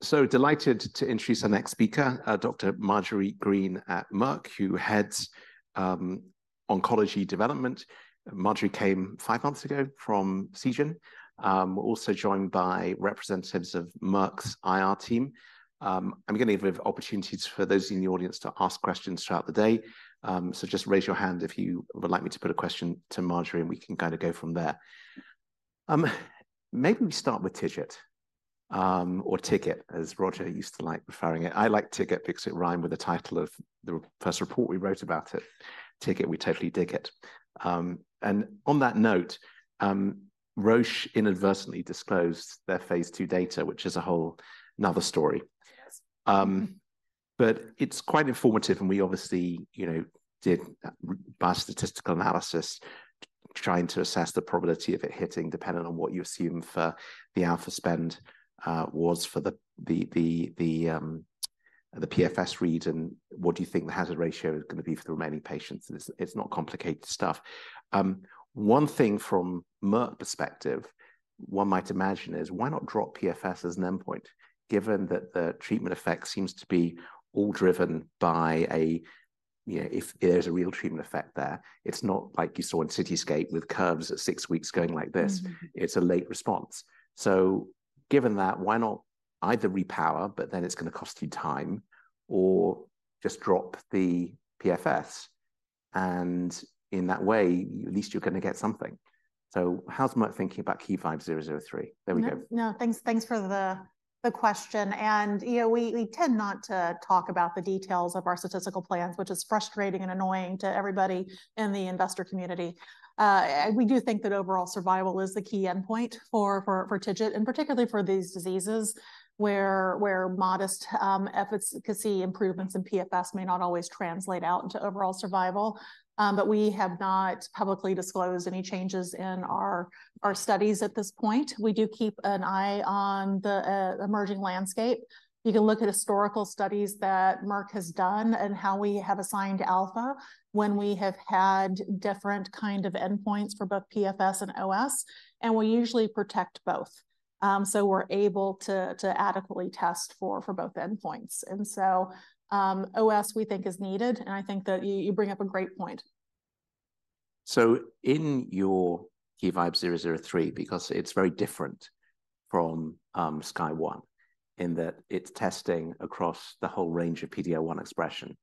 So delighted to introduce our next speaker, Dr. Marjorie Green at Merck, who heads oncology development. Marjorie came five months ago from Seagen. We're also joined by representatives of Merck's IR team. I'm gonna leave opportunities for those in the audience to ask questions throughout the day. So just raise your hand if you would like me to put a question to Marjorie, and we can kind of go from there. Maybe we start with TIGIT, or TIGIT, as Roger used to like referring it. I like TIGIT because it rhyme with the title of the first report we wrote about it, "TIGIT: We Totally Dig It!" And on that note, Roche inadvertently disclosed their phase II data, which is a whole another story. Yes. But it's quite informative, and we obviously, you know, did bad statistical analysis, trying to assess the probability of it hitting, depending on what you assume for the alpha spend, was for the PFS read, and what do you think the hazard ratio is gonna be for the remaining patients? It's not complicated stuff. One thing from Merck perspective, one might imagine, is why not drop PFS as an endpoint, given that the treatment effect seems to be all driven by a, you know, if there's a real treatment effect there, it's not like you saw in CITYSCAPE with curves at six weeks going like this. Mm. It's a late response. So given that, why not either repower, but then it's gonna cost you time, or just drop the PFS, and in that way, at least you're gonna get something. So how's Merck thinking about KEYVIBE-003? There we go. No, no. Thanks, thanks for the, the question, and, you know, we, we tend not to talk about the details of our statistical plans, which is frustrating and annoying to everybody in the investor community. We do think that overall survival is the key endpoint for, for, for TIGIT, and particularly for these diseases, where, where modest efficacy improvements in PFS may not always translate out into overall survival. But we have not publicly disclosed any changes in our, our studies at this point. We do keep an eye on the emerging landscape. You can look at historical studies that Merck has done and how we have assigned alpha when we have had different kind of endpoints for both PFS and OS, and we usually protect both. So we're able to, to adequately test for, for both endpoints. OS, we think, is needed, and I think that you, you bring up a great point. So in your KEYVIBE-003, because it's very different from SKYSCRAPER-01, in that it's testing across the whole range of PD-L1 expression,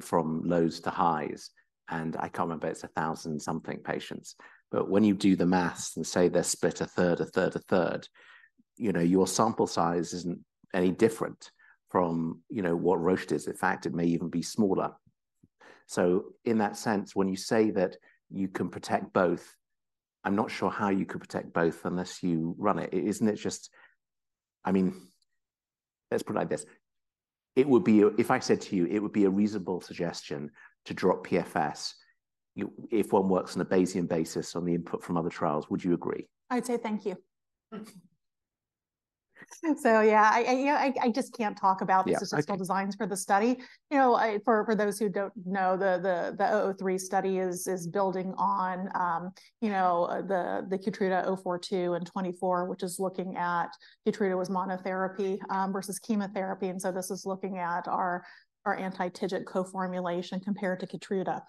from lows to highs, and I can't remember if it's 1,000-something patients. But when you do the math and say they're split a 1/3, 1/3, 1/3, you know, your sample size isn't any different from, you know, what Roche is. In fact, it may even be smaller. So in that sense, when you say that you can protect both, I'm not sure how you could protect both unless you run it. Isn't it just-- I mean, let's put it like this: If I said to you, it would be a reasonable suggestion to drop PFS if one works on a Bayesian basis on the input from other trials, would you agree? I'd say thank you. So yeah, you know, I just can't talk about- Yeah, okay the statistical designs for the study. You know, I, for those who don't know, the KEYVIBE-003 study is building on, you know, the KEYNOTE-042 and KEYNOTE-024, which is looking at KEYTRUDA with monotherapy versus chemotherapy, and so this is looking at our anti-TIGIT co-formulation compared to KEYTRUDA.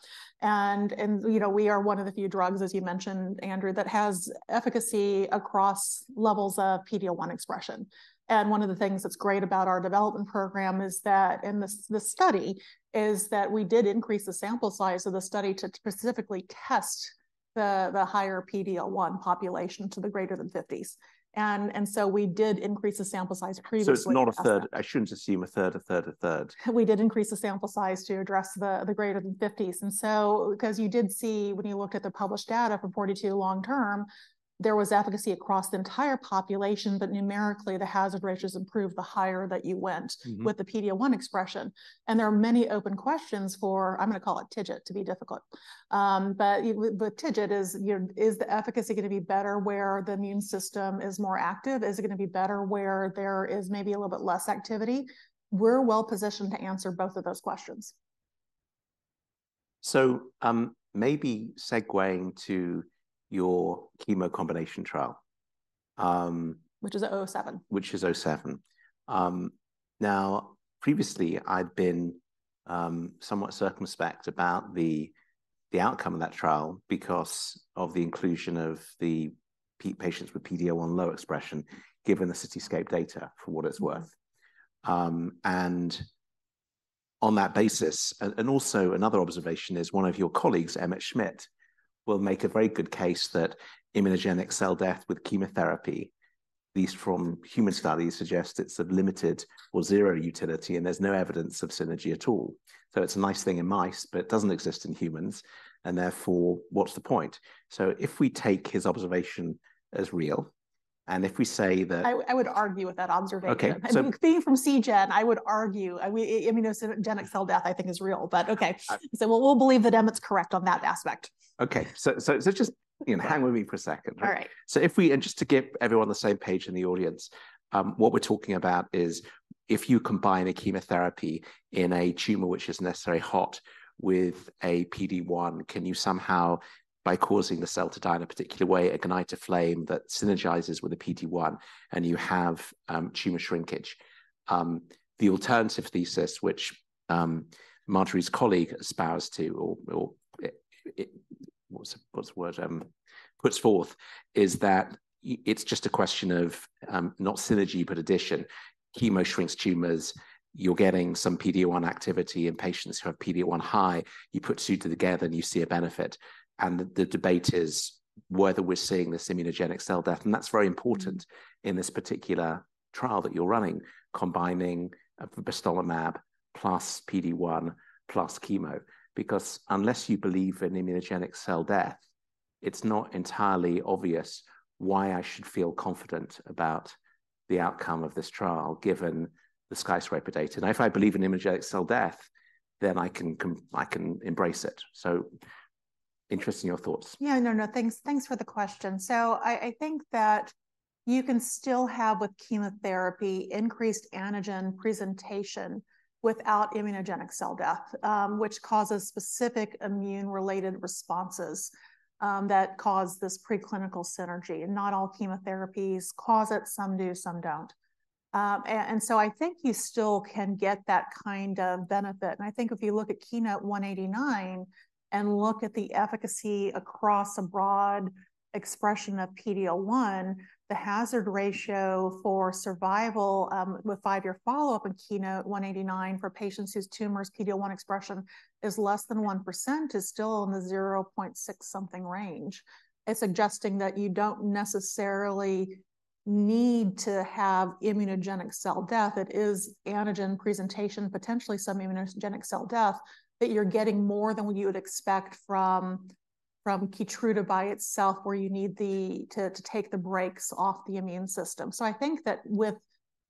And you know, we are one of the few drugs, as you mentioned, Andrew, that has efficacy across levels of PD-L1 expression. And one of the things that's great about our development program is that, in this study, is that we did increase the sample size of the study to specifically test the higher PD-L1 population to the greater than 50s. And so we did increase the sample size previously- It's not a 1/3. I shouldn't assume a 1/3, a 1/3, a 1/3. We did increase the sample size to address the greater than 50s, and so because you did see, when you looked at the published data for 42 long-term, there was efficacy across the entire population, but numerically, the hazard ratios improved the higher that you went- Mm-hmm with the PD-L1 expression. And there are many open questions for, I'm gonna call it TIGIT to be difficult. But with TIGIT, you know, is the efficacy gonna be better where the immune system is more active? Is it gonna be better where there is maybe a little bit less activity? We're well positioned to answer both of those questions. So, maybe segueing to your chemo combination trial, Which is KEYVIBE-007. Which is KEYVIBE-007. Now, previously, I've been somewhat circumspect about the outcome of that trial because of the inclusion of the patients with PD-L1 low expression, given the CITYSCAPE data, for what it's worth. And on that basis, and also, another observation is one of your colleagues, Emmett Schmidt, will make a very good case that immunogenic cell death with chemotherapy, at least from human studies, suggest it's of limited or zero utility, and there's no evidence of synergy at all. So it's a nice thing in mice, but it doesn't exist in humans, and therefore, what's the point? So if we take his observation as real, and if we say that- I would argue with that observation. Okay, so- I think being from Seagen, I would argue, immunogenic cell death, I think, is real. But okay. I- So we'll believe that Emmett's correct on that aspect. Okay, so just, you know, hang with me for a second. All right. Just to get everyone on the same page in the audience, what we're talking about is, if you combine a chemotherapy in a tumor which is necessarily hot, with a PD-1, can you somehow, by causing the cell to die in a particular way, ignite a flame that synergizes with a PD-1, and you have tumor shrinkage? The alternative thesis, which Marjorie's colleague puts forth, is that it's just a question of not synergy, but addition. Chemo shrinks tumors, you're getting some PD-1 activity in patients who have PD-1 high. You put two together, and you see a benefit, and the debate is whether we're seeing this immunogenic cell death, and that's very important in this particular trial that you're running, combining of the vibostolimab + PD-1 + chemo. Because unless you believe in immunogenic cell death, it's not entirely obvious why I should feel confident about the outcome of this trial, given the SKYSCRAPER-01 data. And if I believe in immunogenic cell death, then I can embrace it, so interested in your thoughts. Yeah, no, no, thanks, thanks for the question. So I think that you can still have, with chemotherapy, increased antigen presentation without immunogenic cell death, which causes specific immune-related responses, that cause this preclinical synergy. And not all chemotherapies cause it. Some do, some don't. And so I think you still can get that kind of benefit, and I think if you look at KEYNOTE-189 and look at the efficacy across a broad expression of PD-L1, the hazard ratio for survival, with five-year follow-up in KEYNOTE-189 for patients whose tumors PD-L1 expression is less than 1% is still in the 0.6-something range. It's suggesting that you don't necessarily need to have immunogenic cell death. It is antigen presentation, potentially some immunogenic cell death, that you're getting more than what you would expect from, from KEYTRUDA by itself, where you need the-- to, to take the brakes off the immune system. So I think that with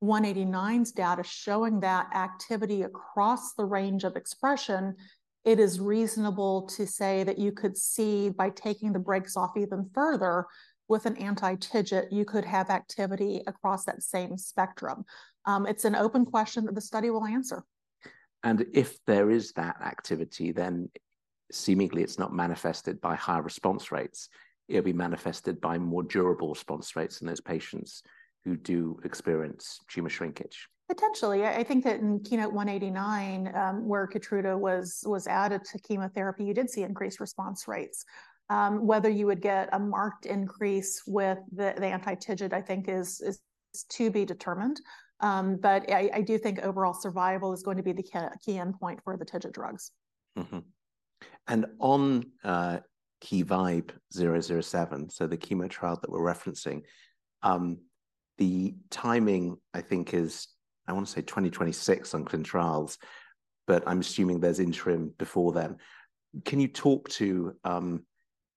189's data showing that activity across the range of expression, it is reasonable to say that you could see, by taking the brakes off even further with an anti-TIGIT, you could have activity across that same spectrum. It's an open question that the study will answer. If there is that activity, then seemingly it's not manifested by high response rates. It'll be manifested by more durable response rates in those patients who do experience tumor shrinkage. Potentially. I think that in KEYNOTE-189, where KEYTRUDA was added to chemotherapy, you did see increased response rates. Whether you would get a marked increase with the anti-TIGIT, I think is to be determined. But I do think overall survival is going to be the key endpoint for the TIGIT drugs. Mm-hmm. And on KEYVIBE-007, so the chemo trial that we're referencing, the timing, I think, is, I wanna say 2026 on ClinicalTrials.gov, but I'm assuming there's interim before then. Can you talk to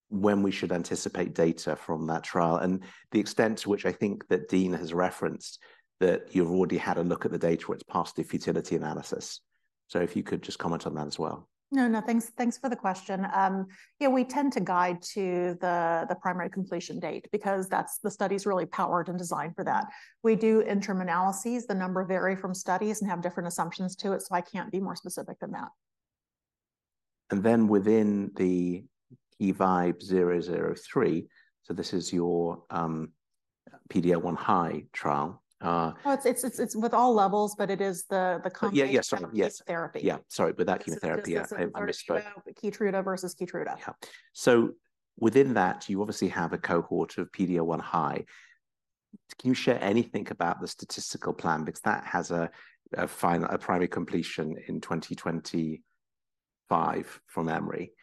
when we should anticipate data from that trial? And the extent to which I think that Dean has referenced, that you've already had a look at the data where it's passed a futility analysis. So if you could just comment on that as well. No, no, thanks, thanks for the question. Yeah, we tend to guide to the primary completion date because that's the study's really powered and designed for that. We do interim analyses. The number vary from studies and have different assumptions to it, so I can't be more specific than that. Within the KEYVIBE-003, so this is your PD-L1 high trial. Oh, it's with all levels, but it is the company- Yeah, yeah, sorry. - therapy. Yes. Yeah, sorry, with that chemotherapy. I, I misunderstood. It's KEYTRUDA vs. KEYTRUDA. Yeah. So within that, you obviously have a cohort of PD-L1 high. Can you share anything about the statistical plan? Because that has a final, a primary completion in 2025, from memory.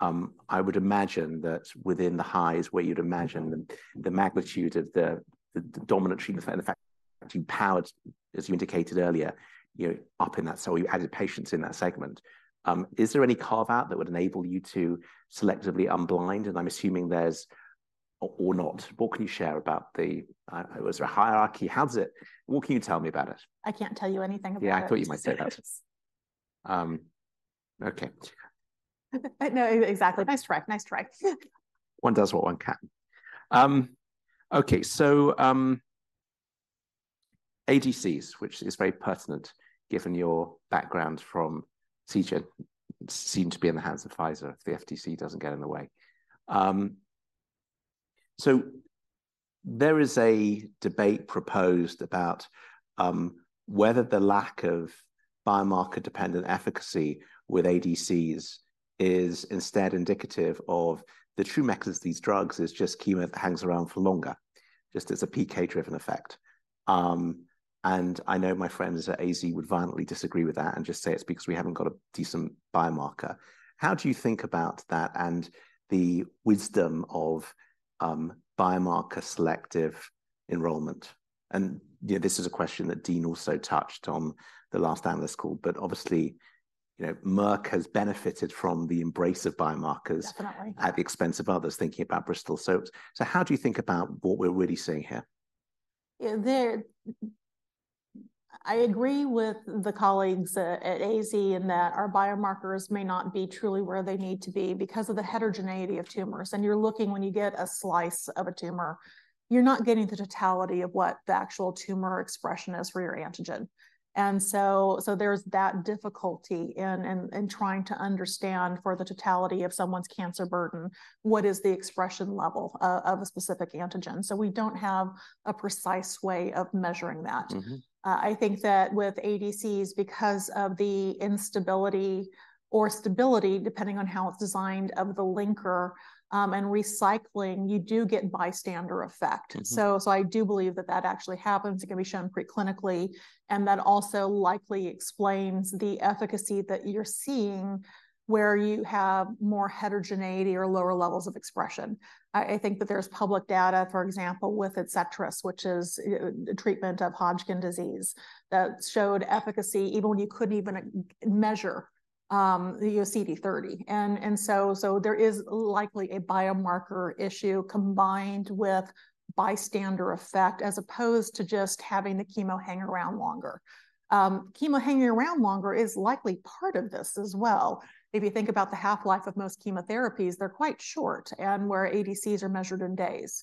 I would imagine that within the high is where you'd imagine the magnitude of the dominant treatment, and the fact you powered, as you indicated earlier, you know, up in that. So you added patients in that segment. Is there any carve-out that would enable you to selectively unblind? And I'm assuming there's... Or not. What can you share about the hierarchy? How does it, what can you tell me about it? I can't tell you anything about it- Yeah, I thought you might say that. - sorry. Um, okay. No, exactly. Nice try, nice try. One does what one can. Okay, so, ADCs, which is very pertinent, given your background from TIGIT, seem to be in the hands of Pfizer if the FTC doesn't get in the way. So there is a debate proposed about whether the lack of biomarker-dependent efficacy with ADCs is instead indicative of the true mechanism of these drugs is just chemo hangs around for longer, just as a PK-driven effect. And I know my friends at AZ would violently disagree with that and just say it's because we haven't got a decent biomarker. How do you think about that and the wisdom of biomarker selective enrollment? And, you know, this is a question that Dean also touched on the last analyst call, but obviously, you know, Merck has benefited from the embrace of biomarkers- Definitely at the expense of others thinking about Bristol. So, so how do you think about what we're really seeing here? Yeah, I agree with the colleagues at AZ in that our biomarkers may not be truly where they need to be because of the heterogeneity of tumors. And you're looking, when you get a slice of a tumor, you're not getting the totality of what the actual tumor expression is for your antigen. And so there's that difficulty in trying to understand, for the totality of someone's cancer burden, what is the expression level of a specific antigen. So we don't have a precise way of measuring that. Mm-hmm. I think that with ADCs, because of the instability or stability, depending on how it's designed, of the linker, and recycling, you do get bystander effect. Mm-hmm. So I do believe that actually happens. It can be shown pre-clinically, and that also likely explains the efficacy that you're seeing, where you have more heterogeneity or lower levels of expression. I think that there's public data, for example, with ADCETRIS, which is a treatment of Hodgkin disease, that showed efficacy even when you couldn't even measure the CD30. And so there is likely a biomarker issue combined with bystander effect, as opposed to just having the chemo hang around longer. Chemo hanging around longer is likely part of this as well. If you think about the half-life of most chemotherapies, they're quite short, and where ADCs are measured in days.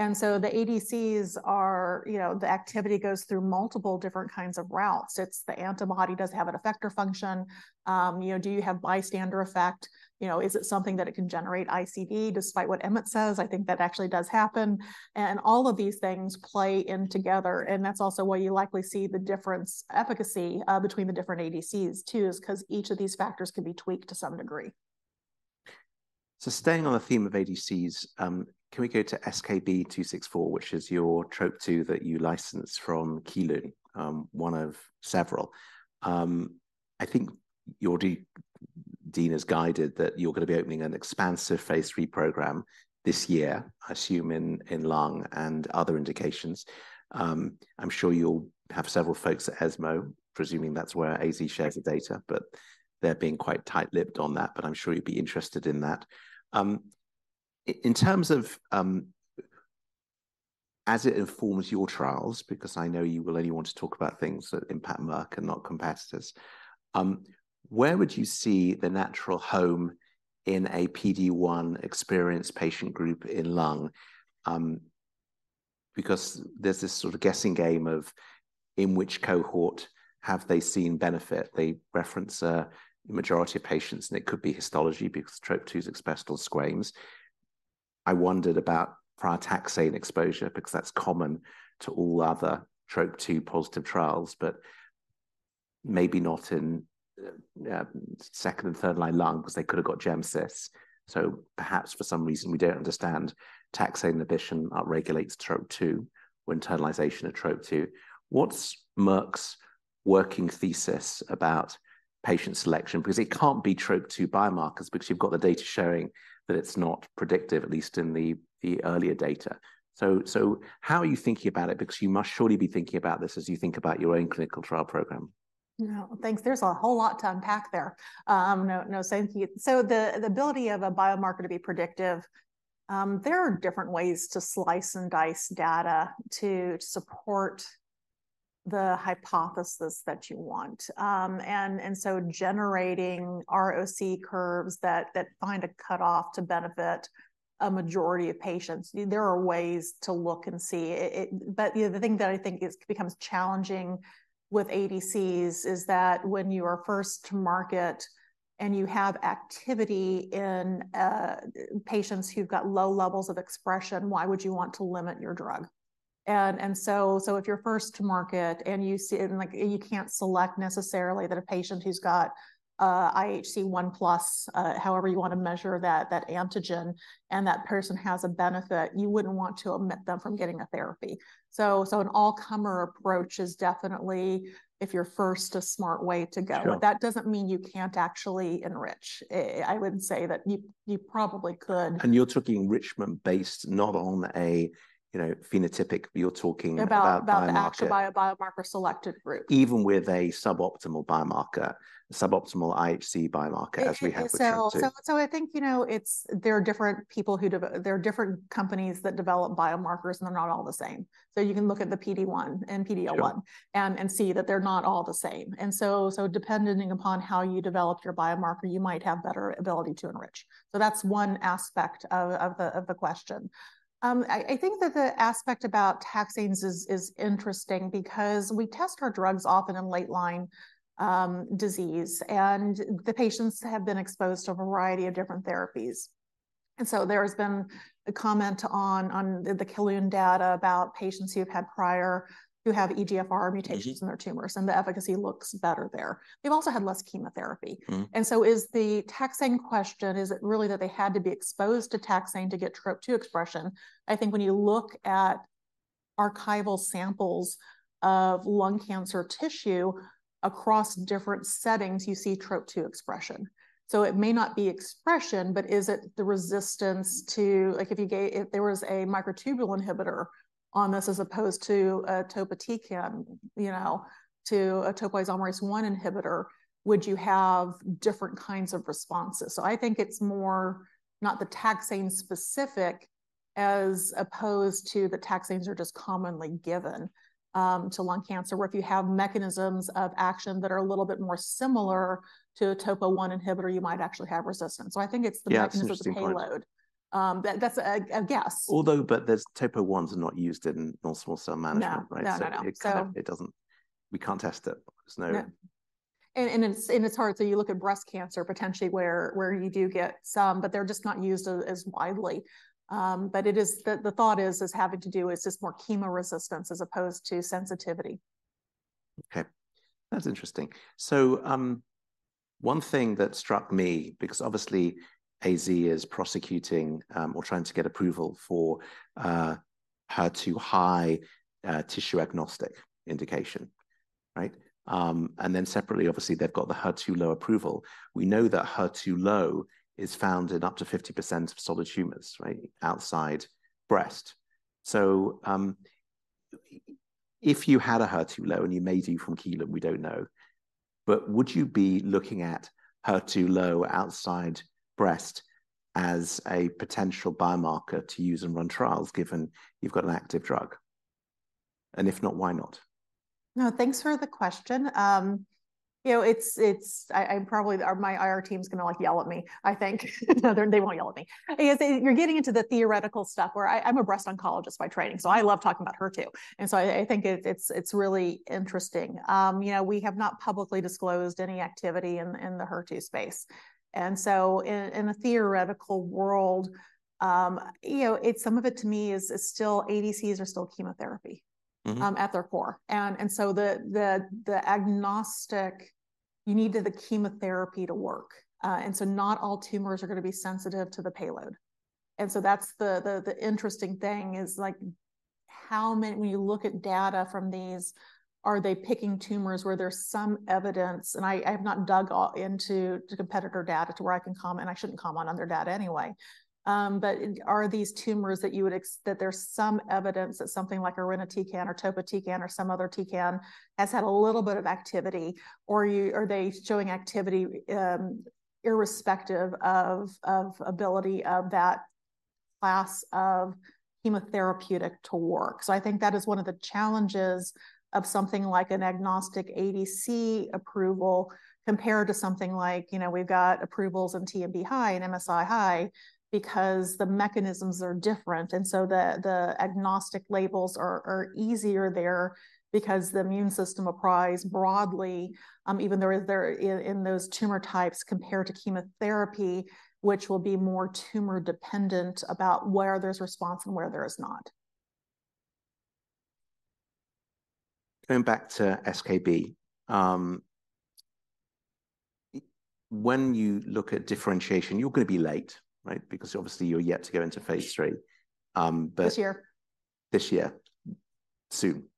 And so the ADCs are, you know, the activity goes through multiple different kinds of routes. It's the antibody, does it have an effector function? You know, do you have bystander effect? You know, is it something that it can generate ICD? Despite what Emmett says, I think that actually does happen, and all of these things play in together, and that's also why you likely see the difference, efficacy, between the different ADCs, too, is 'cause each of these factors can be tweaked to some degree. So staying on the theme of ADCs, can we go to SKB264, which is your TROP2 that you licensed from Kelun, one of several. I think your Dean has guided that you're gonna be opening an expansive phase 3 program this year, I assume in lung and other indications. I'm sure you'll have several folks at ESMO, presuming that's where AZ shares the data, but they're being quite tight-lipped on that, but I'm sure you'd be interested in that. In terms of as it informs your trials, because I know you will only want to talk about things that impact Merck and not competitors, where would you see the natural home in a PD-1 experienced patient group in lung? Because there's this sort of guessing game of in which cohort have they seen benefit. They reference a majority of patients, and it could be histology, because TROP2 is expressed on squamous. I wondered about prior taxane exposure, because that's common to all other TROP2 positive trials, but maybe not in second and third-line lung, because they could have got gemcitabine. So perhaps for some reason we don't understand, taxane inhibition upregulates TROP2 or internalization of TROP2. What's Merck's working thesis about patient selection? Because it can't be TROP2 biomarkers, because you've got the data showing that it's not predictive, at least in the earlier data. So how are you thinking about it? Because you must surely be thinking about this as you think about your own clinical trial program. No, thanks. There's a whole lot to unpack there. No, no, thank you. So the ability of a biomarker to be predictive, there are different ways to slice and dice data to support the hypothesis that you want. And so generating ROC curves that find a cutoff to benefit a majority of patients, there are ways to look and see. But you know, the thing that I think is, becomes challenging with ADCs is that when you are first to market and you have activity in patients who've got low levels of expression, why would you want to limit your drug? And so if you're first to market and you see. Like, you can't select necessarily that a patient who's got IHC 1+, however you want to measure that, that antigen, and that person has a benefit. You wouldn't want to omit them from getting a therapy. So an all-comer approach is definitely, if you're first, a smart way to go. Sure. But that doesn't mean you can't actually enrich. I would say that you probably could- You're talking enrichment based not on a, you know, phenotypic, but you're talking about biomarker- About the actual biomarker-selected group. Even with a suboptimal biomarker, suboptimal IHC biomarker, as we have with TROP2. So, I think, you know, there are different companies that develop biomarkers, and they're not all the same. So you can look at the PD-1 and PD-L1- Sure and see that they're not all the same. And so depending upon how you develop your biomarker, you might have better ability to enrich. So that's one aspect of the question. I think that the aspect about taxanes is interesting because we test our drugs often in late-line disease, and the patients have been exposed to a variety of different therapies. And so there has been a comment on the Kelun data about patients who've had prior—who have EGFR mutations- Mm-hmm in their tumors, and the efficacy looks better there. They've also had less chemotherapy. Mm-hmm. And so, is the taxane question, is it really that they had to be exposed to taxane to get TROP2 expression? I think when you look at archival samples of lung cancer tissue across different settings, you see TROP2 expression. So, it may not be expression but is it the resistance to. Like, if there was a microtubule inhibitor on this as opposed to a topotecan, you know, to a Topoisomerase I inhibitor, would you have different kinds of responses? So, I think it's more not the taxane specific, as opposed to the taxanes are just commonly given to lung cancer, where if you have mechanisms of action that are a little bit more similar to a Topo1 inhibitor, you might actually have resistance. So, I think it's the- Yeah, interesting point. Mechanisms of payload. That's a guess. Topo1s are not used in non-small cell management, right? No. No, no, no. We can't test it. There's no- No. And it's hard, so you look at breast cancer potentially where you do get some, but they're just not used as widely. But it is. The thought is having to do with just more chemo resistance as opposed to sensitivity. Okay. That's interesting. So, one thing that struck me, because obviously AZ is prosecuting, or trying to get approval for, HER2 High, tissue-agnostic indication, right? And then separately, obviously, they've got the HER2 Low approval. We know that HER2-Low is found in up to 50% of solid tumors, right, outside breast. So, if you had a HER2 Low, and you may do from Kelun, we don't know, but would you be looking at HER2 Low outside breast as a potential biomarker to use and run trials, given you've got an active drug? And if not, why not? No, thanks for the question. You know, it's. I'm probably—my IR team's gonna, like, yell at me, I think. No, they won't yell at me. I guess they—you're getting into the theoretical stuff where I'm a breast oncologist by training, so I love talking about HER2, and so I think it's really interesting. You know, we have not publicly disclosed any activity in the HER2 space. So in a theoretical world, you know, it's—some of it to me is still ADCs are still chemotherapy- Mm-hmm at their core. And so the agnostic, you need the chemotherapy to work. And so not all tumors are gonna be sensitive to the payload, and so that's the interesting thing is, like, how many, when you look at data from these, are they picking tumors where there's some evidence? And I've not dug all into competitor data to where I can comment, and I shouldn't comment on their data anyway. But are these tumors that there's some evidence that something like a irinotecan or topotecan or some other tecan has had a little bit of activity, or are they showing activity, irrespective of ability of that class of chemotherapeutic to work? I think that is one of the challenges of something like an agnostic ADC approval compared to something like, you know, we've got approvals in TMB-High and MSI-High because the mechanisms are different, and so the agnostic labels are easier there because the immune system applies broadly, even though they're in those tumor types compared to chemotherapy, which will be more tumor-dependent about where there's response and where there is not. Going back to SKB, when you look at differentiation, you're gonna be late, right? Because obviously you're yet to go into phase III. But- This year. This year, soon.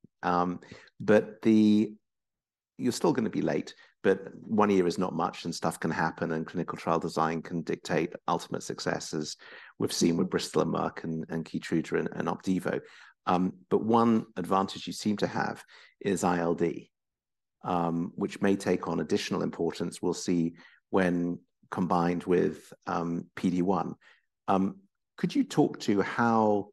But you're still gonna be late, but one year is not much, and stuff can happen, and clinical trial design can dictate ultimate successes we've seen with Bristol and Merck and KEYTRUDA and OPDIVO. But one advantage you seem to have is ILD, which may take on additional importance. We'll see when combined with PD-1. Could you talk to how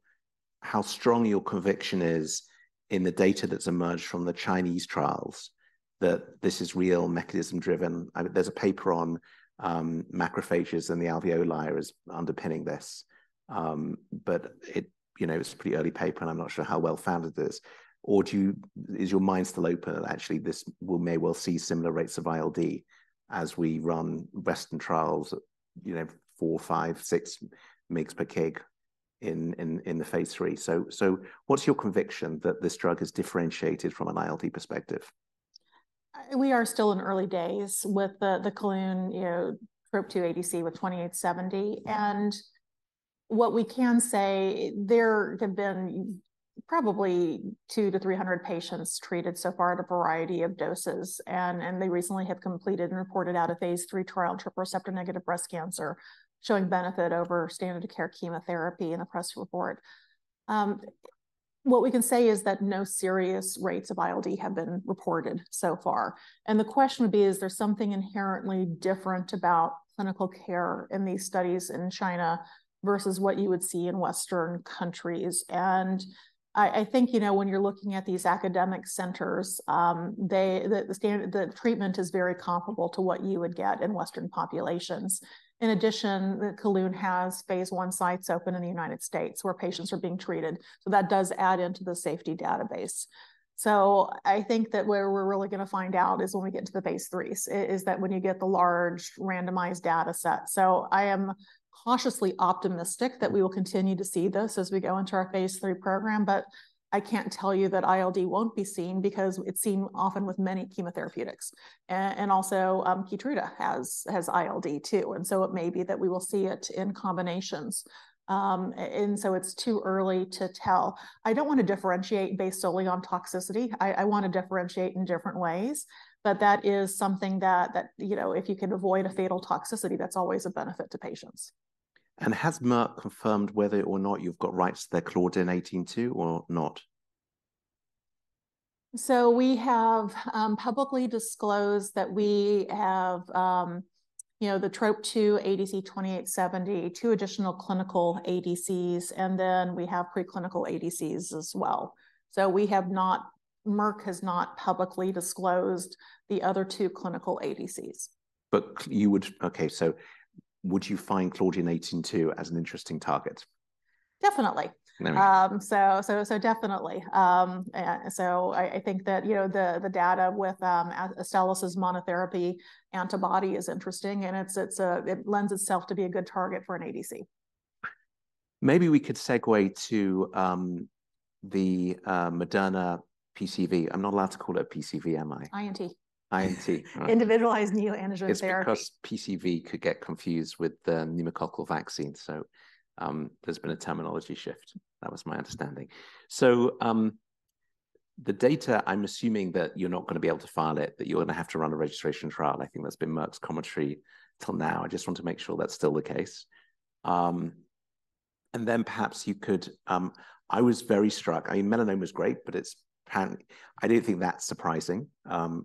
strong your conviction is in the data that's emerged from the Chinese trials, that this is real mechanism driven? And there's a paper on macrophages, and the alveoli is underpinning this. But you know, it's a pretty early paper, and I'm not sure how well-founded it is. Or do you, is your mind still open that actually this, we may well see similar rates of ILD as we run Western trials, you know, four, five, six mg/kg in the phase III? So, what's your conviction that this drug is differentiated from an ILD perspective? We are still in early days with the Kelun TROP2 ADC with MK-2870, and what we can say, there have been probably 200-300 patients treated so far at a variety of doses, and they recently have completed and reported out a phase III trial in triple-negative breast cancer, showing benefit over standard of care chemotherapy in a press report. What we can say is that no serious rates of ILD have been reported so far, and the question would be: Is there something inherently different about clinical care in these studies in China versus what you would see in Western countries? And I think, you know, when you're looking at these academic centers, they, the standard, the treatment is very comparable to what you would get in Western populations. In addition, Kelun has phase I sites open in the United States, where patients are being treated, so that does add into the safety database. So I think that where we're really gonna find out is when we get into the phase IIIs, is that when you get the large, randomized data set. So I am cautiously optimistic that we will continue to see this as we go into our phase III program, but I can't tell you that ILD won't be seen because it's seen often with many chemotherapeutics. And also, KEYTRUDA has ILD too, and so it may be that we will see it in combinations. And so it's too early to tell. I don't want to differentiate based solely on toxicity. I want to differentiate in different ways, but that is something that, you know, if you can avoid a fatal toxicity, that's always a benefit to patients. Has Merck confirmed whether or not you've got rights to their Claudin-18.2 or not? So we have publicly disclosed that we have, you know, the TROP-2 ADC MK-2870, two additional clinical ADCs, and then we have preclinical ADCs as well. So we have not—Merck has not publicly disclosed the other two clinical ADCs. But you would. Okay, so would you find Claudin-18.2 as an interesting target? Definitely. There we- So definitely. So I think that, you know, the data with as Astellas' monotherapy antibody is interesting, and it lends itself to be a good target for an ADC. Maybe we could segue to the Moderna PCV. I'm not allowed to call it a PCV, am I? INT. INT. Individualized Neoantigen Therapy. It's because PCV could get confused with the pneumococcal vaccine, so there's been a terminology shift. That was my understanding. The data, I'm assuming that you're not gonna be able to file it, but you're gonna have to run a registration trial, and I think that's been Merck's commentary till now. I just want to make sure that's still the case. Perhaps you could, I was very struck. I mean, melanoma is great, but I didn't think that's surprising.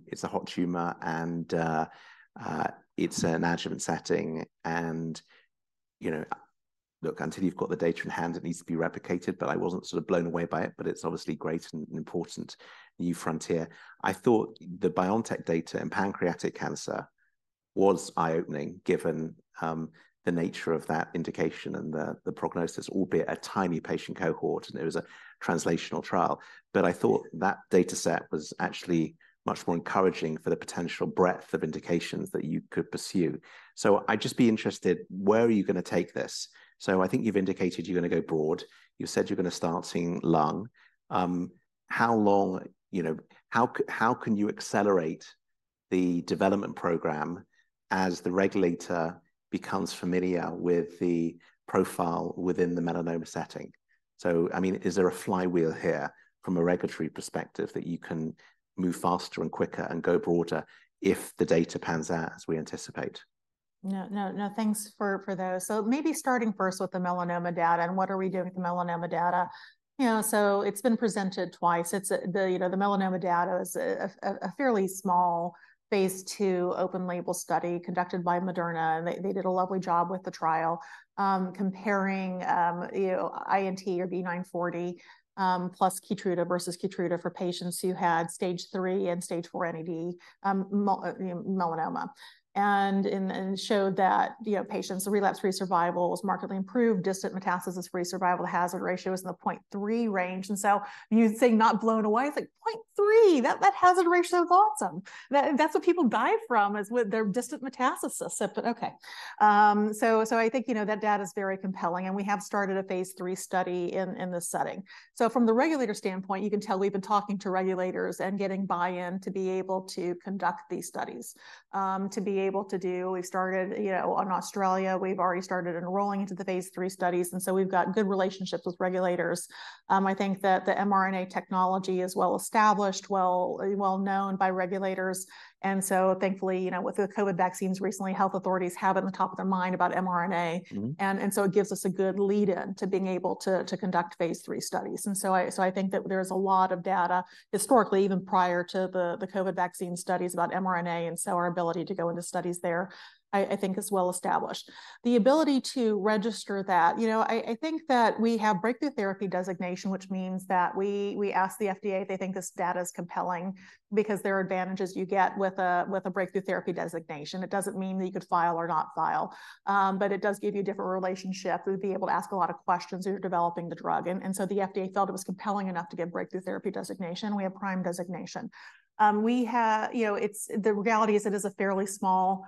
It's a hot tumor, and it's an adjuvant setting. You know, look, until you've got the data in hand, it needs to be replicated, but I wasn't sort of blown away by it, but it's obviously great and an important new frontier. I thought the BioNTech data in pancreatic cancer was eye-opening, given the nature of that indication and the prognosis, albeit a tiny patient cohort, and it was a translational trial. But I thought that dataset was actually much more encouraging for the potential breadth of indications that you could pursue. So I'd just be interested, where are you gonna take this? So I think you've indicated you're gonna go broad. You've said you're gonna start seeing lung. How long, you know, how can you accelerate the development program as the regulator becomes familiar with the profile within the melanoma setting? So, I mean, is there a flywheel here from a regulatory perspective that you can move faster and quicker and go broader if the data pans out as we anticipate? No, no, no, thanks for those. So maybe starting first with the melanoma data, and what are we doing with the melanoma data? You know, so it's been presented twice. It's the melanoma data is a fairly small phase II open-label study conducted by Moderna, and they did a lovely job with the trial, comparing you know, INT or V940 plus KEYTRUDA vs. KEYTRUDA for patients who had Stage III and Stage IV NED, melanoma. And showed that you know, patients relapse-free survival was markedly improved, distant metastasis-free survival. The hazard ratio is in the 0.3 range, and so you say not blown away. It's like 0.3, that hazard ratio is awesome. That's what people die from, with their distant metastasis. But, okay. So, I think, you know, that data is very compelling, and we have started a phase III study in this setting. So from the regulator standpoint, you can tell we've been talking to regulators and getting buy-in to be able to conduct these studies. We started, you know, in Australia. We've already started enrolling into the phase III studies, and so we've got good relationships with regulators. I think that the mRNA technology is well-established, well known by regulators, and so thankfully, you know, with the COVID vaccines recently, health authorities have it in the top of their mind about mRNA. Mm-hmm. And so it gives us a good lead-in to being able to conduct phase III studies. So I think that there's a lot of data historically, even prior to the COVID vaccine studies about mRNA, and so our ability to go into studies there, I think, is well established. The ability to register that, you know, I think that we have Breakthrough Therapy Designation, which means that we ask the FDA if they think this data is compelling because there are advantages you get with a Breakthrough Therapy Designation. It doesn't mean that you could file or not file, but it does give you a different relationship. We'd be able to ask a lot of questions if you're developing the drug, and so the FDA felt it was compelling enough to give Breakthrough Therapy Designation. We have PRIME designation. You know, it's the reality is it is a fairly small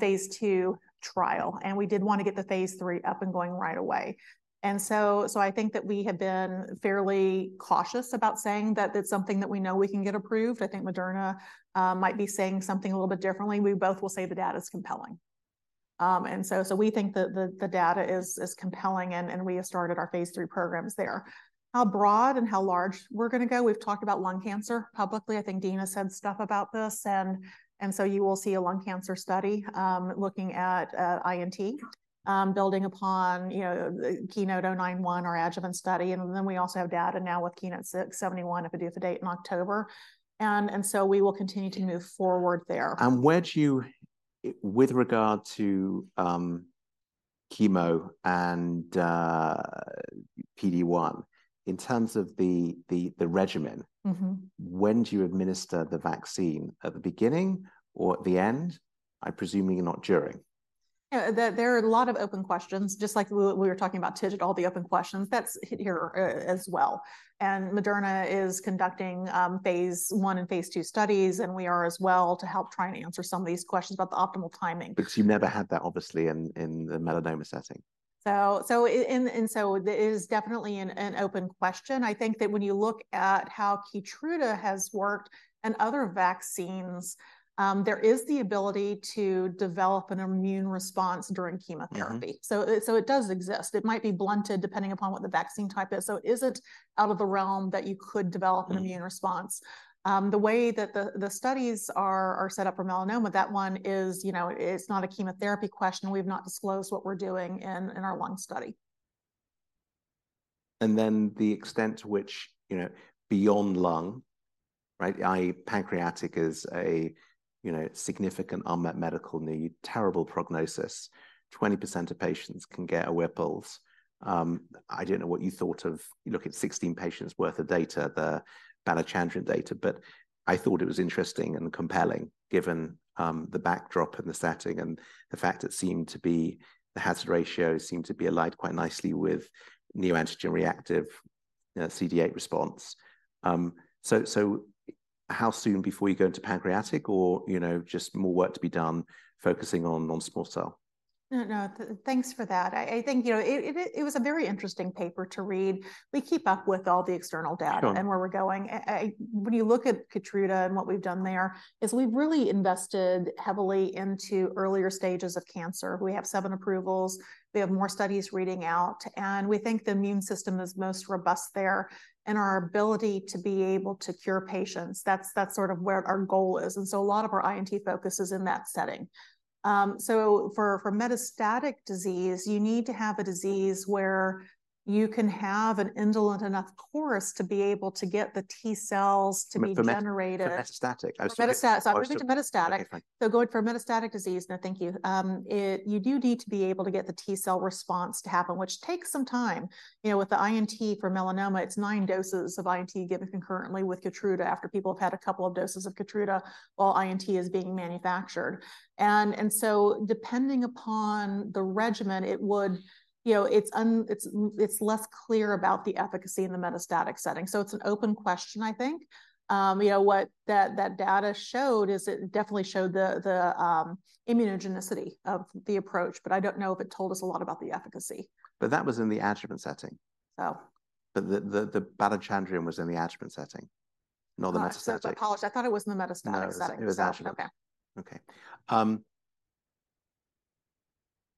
phase II trial, and we did want to get the phase III up and going right away. So I think that we have been fairly cautious about saying that it's something that we know we can get approved. I think Moderna might be saying something a little bit differently. We both will say the data is compelling. So we think that the data is compelling, and we have started our phase III programs there. How broad and how large we're gonna go, we've talked about lung cancer publicly. I think Dean said stuff about this, and, and so you will see a lung cancer study, looking at, INT, building upon, you know, KEYNOTE-091, our adjuvant study, and then we also have data now with KEYNOTE-671, readout due date in October. And, and so we will continue to move forward there. Where do you, with regard to, chemo and, PD-1, in terms of the regimen- Mm-hmm when do you administer the vaccine, at the beginning or at the end? I'm presuming not during. Yeah, there, there are a lot of open questions, just like we were talking about TIGIT, all the open questions. That's here, as well. And Moderna is conducting phase I and phase II studies, and we are as well to help try and answer some of these questions about the optimal timing. Because you never had that, obviously, in the melanoma setting. There is definitely an open question. I think that when you look at how KEYTRUDA has worked and other vaccines, there is the ability to develop an immune response during chemotherapy. Mm-hmm. So, it does exist. It might be blunted depending upon what the vaccine type is. So is it out of the realm that you could develop- Mm an immune response? The way that the studies are set up for melanoma, that one is, you know, it's not a chemotherapy question. We've not disclosed what we're doing in our lung study. And then the extent to which, you know, beyond lung, right? Pancreatic is a, you know, significant unmet medical need, terrible prognosis. 20% of patients can get a Whipple's. I don't know what you thought of—you look at 16 patients' worth of data, the Balachandran data, but I thought it was interesting and compelling, given the backdrop and the setting, and the fact it seemed to be—the hazard ratio seemed to be aligned quite nicely with neoantigen-reactive CD8 response. So, how soon before you go into pancreatic or, you know, just more work to be done focusing on non-small cell? No, no, thanks for that. I think, you know, it was a very interesting paper to read. We keep up with all the external data- Sure and where we're going. When you look at KEYTRUDA and what we've done there, is we've really invested heavily into earlier stages of cancer. We have seven approvals, we have more studies reading out, and we think the immune system is most robust there in our ability to be able to cure patients. That's, that's sort of where our goal is, and so a lot of our INT focus is in that setting. So for, for metastatic disease, you need to have a disease where you can have an indolent enough course to be able to get the T-cells to be generated- For metastatic. I was- For metastatic. I was referring to metastatic. Okay, fine. Going for metastatic disease. No, thank you. You do need to be able to get the T-cell response to happen, which takes some time. You know, with the INT for melanoma, it's nine doses of INT given concurrently with KEYTRUDA, after people have had a couple of doses of KEYTRUDA, while INT is being manufactured. And so depending upon the regimen, it would you know, it's less clear about the efficacy in the metastatic setting, so it's an open question, I think. You know, what that data showed is, it definitely showed the immunogenicity of the approach, but I don't know if it told us a lot about the efficacy. But that was in the adjuvant setting. Oh. The Balachandran was in the adjuvant setting, not the metastatic. So I apologize. I thought it was in the metastatic setting. No, it was adjuvant. Okay. Okay.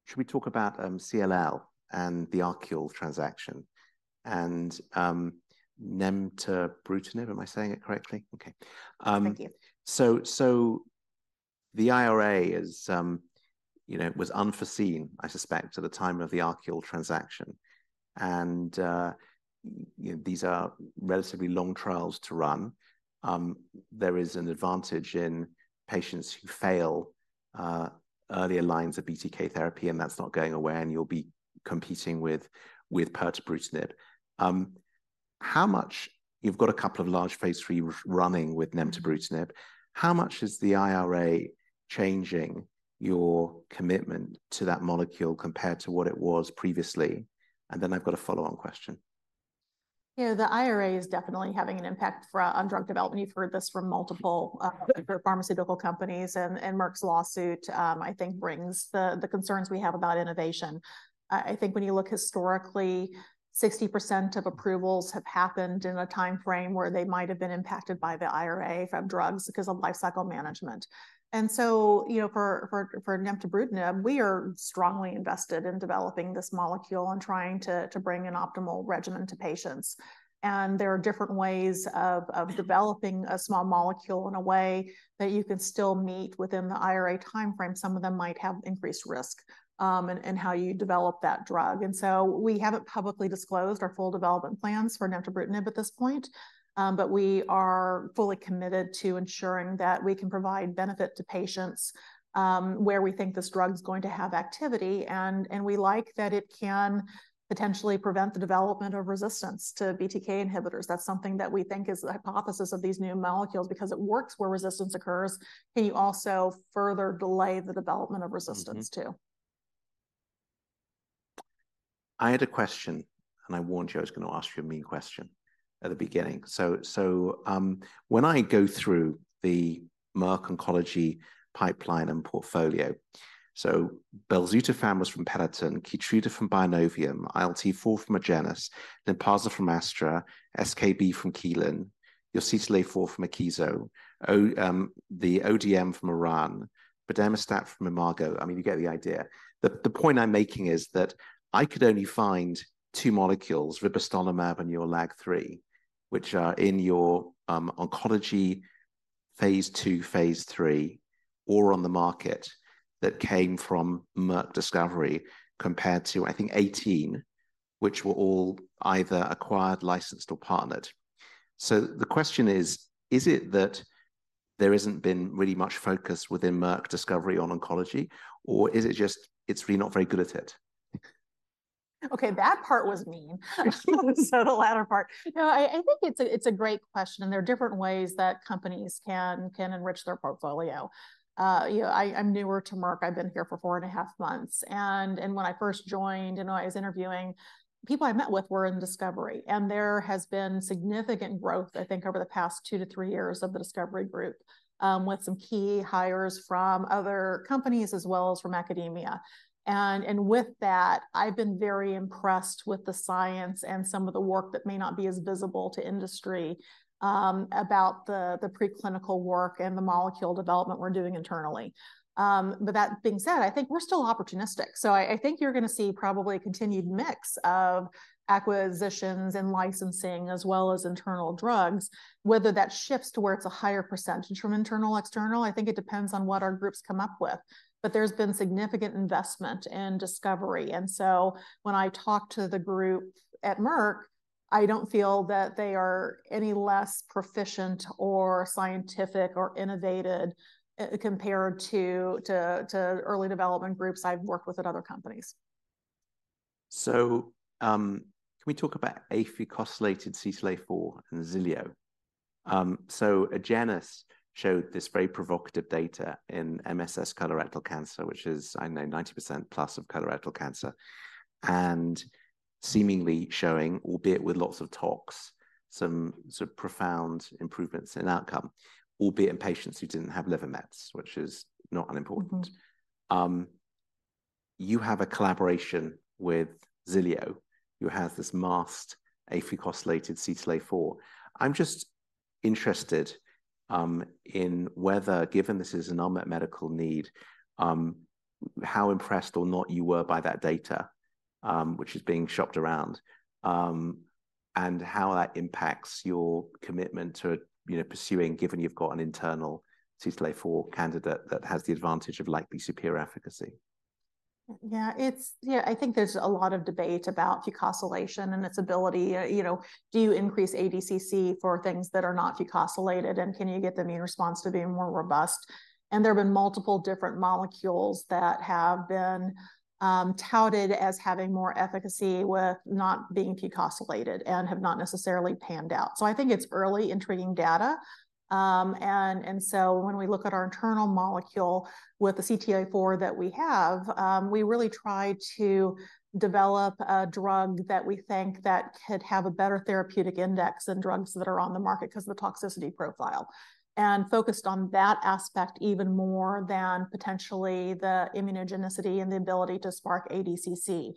Should we talk about CLL and the ArQule transaction, and nemtabrutinib? Am I saying it correctly? Okay. Thank you. So, the IRA is. You know, it was unforeseen, I suspect, at the time of the ArQule transaction, and, you know, these are relatively long trials to run. There is an advantage in patients who fail earlier lines of BTK therapy, and that's not going away, and you'll be competing with pirtobrutinib. You've got a couple of large phase III trials running with nemtabrutinib. How much is the IRA changing your commitment to that molecule, compared to what it was previously? And then I've got a follow-on question. Yeah, the IRA is definitely having an impact on drug development. You've heard this from multiple, Yeah pharmaceutical companies, and Merck's lawsuit, I think brings the concerns we have about innovation. I think when you look historically, 60% of approvals have happened in a timeframe where they might have been impacted by the IRA from drugs, because of lifecycle management. And so, you know, for nemtabrutinib, we are strongly invested in developing this molecule and trying to bring an optimal regimen to patients. And there are different ways of developing a small molecule in a way that you can still meet within the IRA timeframe. Some of them might have increased risk, in how you develop that drug. And so we haven't publicly disclosed our full development plans for nemtabrutinib at this point, but we are fully committed to ensuring that we can provide benefit to patients, where we think this drug's going to have activity. And we like that it can potentially prevent the development of resistance to BTK inhibitors. That's something that we think is the hypothesis of these new molecules, because it works where resistance occurs. Can you also further delay the development of resistance, too? Mm-hmm. I had a question, and I warned you I was gonna ask you a mean question at the beginning. So when I go through the Merck oncology pipeline and portfolio, so belzutifan was from Peloton, KEYTRUDA from Binovium, ILT4 from Agenus, LYNPARZA from Astra, SKB264 from Kelun, zilovertamab vedotin from VelosBio, the ODM-208 from Orion, bomedemstat from Imago. I mean, you get the idea. The point I'm making is that I could only find two molecules, vibostolimab and your LAG-3, which are in your oncology phase II, phase III, or on the market, that came from Merck Discovery, compared to, I think, 18, which were all either acquired, licensed or partnered. So the question is, is it that there isn't been really much focus within Merck Discovery on oncology, or is it just, it's really not very good at it? Okay, that part was mean. So the latter part. No, I think it's a great question, and there are different ways that companies can enrich their portfolio. You know, I'm newer to Merck. I've been here for 4.5 months, and when I first joined, and when I was interviewing, people I met with were in discovery. And there has been significant growth, I think, over the past two-three years of the discovery group, with some key hires from other companies, as well as from academia. And with that, I've been very impressed with the science and some of the work that may not be as visible to industry, about the preclinical work and the molecule development we're doing internally. But that being said, I think we're still opportunistic, so I think you're gonna see probably a continued mix of acquisitions and licensing, as well as internal drugs. Whether that shifts to where it's a higher percentage from internal, external, I think it depends on what our groups come up with. But there's been significant investment in discovery, and so when I talk to the group at Merck, I don't feel that they are any less proficient or scientific or innovative compared to early development groups I've worked with at other companies. Can we talk about afucosylated CTLA-4 and Xilio? So Agenus showed this very provocative data in MSS colorectal cancer, which is, I know, 90% plus of colorectal cancer, and seemingly showing, albeit with lots of talks, some sort of profound improvements in outcome, albeit in patients who didn't have liver mets, which is not unimportant. Mm-hmm. You have a collaboration with Xilio, who has this masked afucosylated CTLA-4. I'm just interested in whether, given this is an unmet medical need, how impressed or not you were by that data, which is being shopped around, and how that impacts your commitment to, you know, pursuing, given you've got an internal CTLA-4 candidate that has the advantage of likely superior efficacy. Yeah, it's. Yeah, I think there's a lot of debate about fucosylation and its ability. You know, do you increase ADCC for things that are not fucosylated, and can you get the immune response to being more robust? And there have been multiple different molecules that have been touted as having more efficacy with not being fucosylated and have not necessarily panned out. So I think it's early intriguing data. And so when we look at our internal molecule with the CTLA-4 that we have, we really try to develop a drug that we think that could have a better therapeutic index than drugs that are on the market because of the toxicity profile, and focused on that aspect even more than potentially the immunogenicity and the ability to spark ADCC.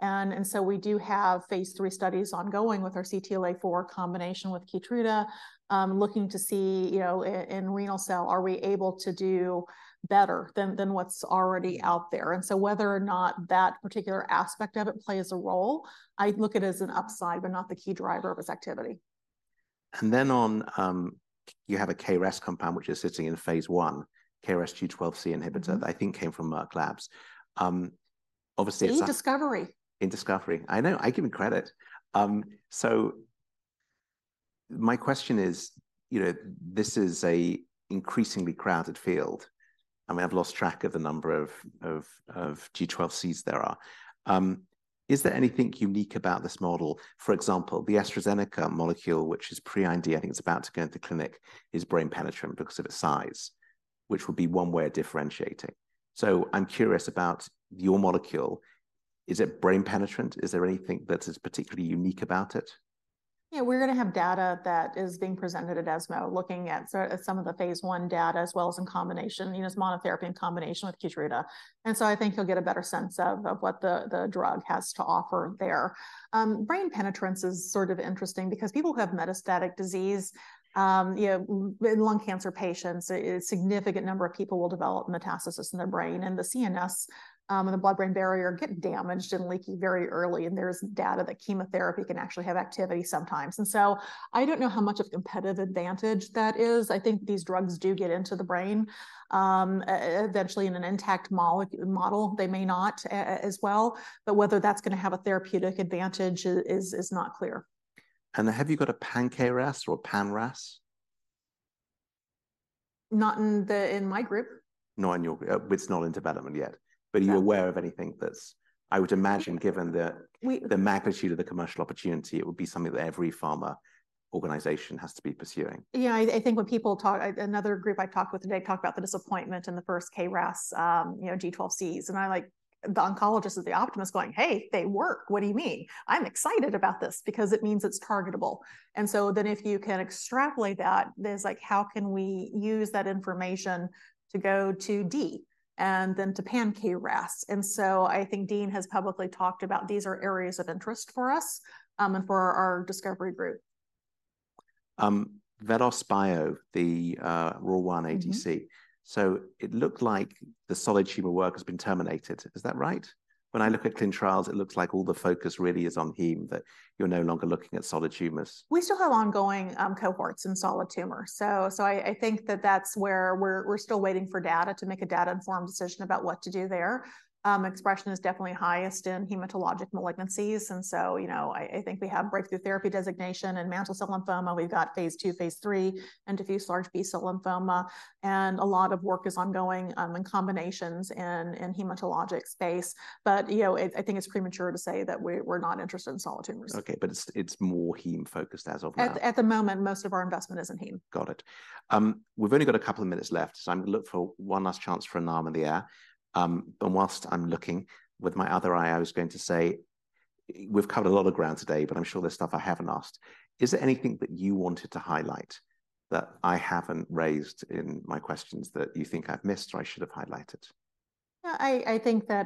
and so we do have phase III studies ongoing with our CTLA-4 combination with KEYTRUDA, looking to see, you know, in renal cell, are we able to do better than what's already out there? And so whether or not that particular aspect of it plays a role, I'd look at it as an upside, but not the key driver of its activity. You have a KRAS compound, which is sitting in phase I. KRAS G12C inhibitor. Mm-hmm. -that I think came from Merck Labs. Obviously, it's- In discovery. In discovery. I know. I give you credit. So my question is, you know, this is an increasingly crowded field, and we have lost track of the number of G12Cs there are. Is there anything unique about this model? For example, the AstraZeneca molecule, which is pre-IND, I think it's about to go into clinic, is brain penetrant because of its size, which would be one way of differentiating. So I'm curious about your molecule. Is it brain penetrant? Is there anything that is particularly unique about it? Yeah, we're gonna have data that is being presented at ESMO, looking at some of the phase I data, as well as in combination, you know, as monotherapy in combination with KEYTRUDA, and so I think you'll get a better sense of what the drug has to offer there. Brain penetrance is sort of interesting because people who have metastatic disease, you know, in lung cancer patients, a significant number of people will develop metastasis in their brain. The CNS and the blood-brain barrier get damaged and leaky very early, and there's data that chemotherapy can actually have activity sometimes. So I don't know how much of competitive advantage that is. I think these drugs do get into the brain. Eventually, in an intact model, they may not as well, but whether that's gonna have a therapeutic advantage is not clear. Have you got a pan-KRAS or a pan-RAS? Not in the, in my group. Not in your group. It's not in development yet. No. But are you aware of anything that's-- I would imagine, given the- We- The magnitude of the commercial opportunity, it would be something that every pharma organization has to be pursuing. Yeah, I, I think when people talk, another group I talked with today talked about the disappointment in the first KRAS, you know, G12Cs, and I like the oncologist is the optimist going: "Hey, they work. What do you mean? I'm excited about this because it means it's targetable." And so then, if you can extrapolate that, then it's like, how can we use that information to go to Dean and then to pan-KRAS? And so I think Dean has publicly talked about these are areas of interest for us, and for our discovery group. VelosBio, the ROR1 ADC. Mm-hmm. So it looked like the solid tumor work has been terminated. Is that right? When I look at clinical trials, it looks like all the focus really is on heme, that you're no longer looking at solid tumors. We still have ongoing cohorts in solid tumor. So, I think that that's where we're still waiting for data to make a data-informed decision about what to do there. Expression is definitely highest in hematologic malignancies, and so, you know, I think we have Breakthrough Therapy Designation in mantle cell lymphoma. We've got phase II, phase III in diffuse large B-cell lymphoma, and a lot of work is ongoing in combinations in hematologic space. But, you know, I think it's premature to say that we're not interested in solid tumors. Okay, but it's, it's more heme-focused as of now. At the moment, most of our investment is in heme. Got it. We've only got a couple of minutes left, so I'm gonna look for one last chance for an arm in the air. And whilst I'm looking, with my other eye, I was going to say, we've covered a lot of ground today, but I'm sure there's stuff I haven't asked. Is there anything that you wanted to highlight that I haven't raised in my questions that you think I've missed or I should have highlighted? Yeah, I think that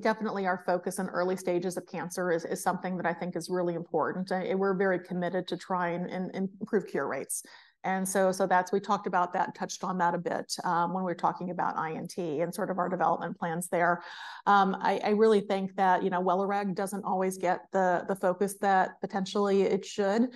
definitely our focus on early stages of cancer is something that I think is really important, and we're very committed to trying and improve cure rates. And so that's-- We talked about that and touched on that a bit, when we were talking about INT and sort of our development plans there. I really think that, you know, WELIREG doesn't always get the focus that potentially it should.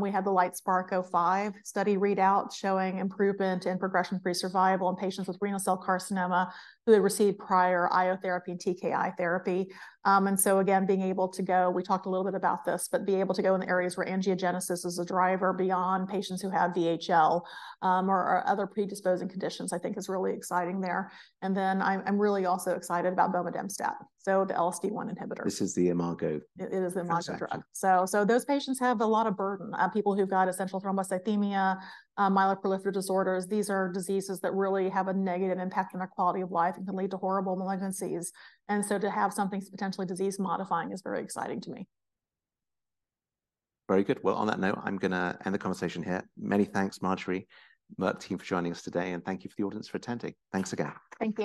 We had the LITESPARK-005 study readout showing improvement in progression-free survival in patients with renal cell carcinoma who had received prior IO therapy and TKI therapy. And so again, being able to go. We talked a little bit about this, but being able to go in the areas where angiogenesis is a driver beyond patients who have VHL, or other predisposing conditions, I think is really exciting there. And then I'm really also excited about bomedemstat, so the LSD1 inhibitor. This is the Imago- It is the Imago drug. Gotcha. Those patients have a lot of burden. People who've got essential thrombocythemia, myeloproliferative disorders, these are diseases that really have a negative impact on their quality of life and can lead to horrible malignancies, and so to have something potentially disease-modifying is very exciting to me. Very good. Well, on that note, I'm gonna end the conversation here. Many thanks, Marjorie, Merck team, for joining us today, and thank you for the audience for attending. Thanks again. Thank you.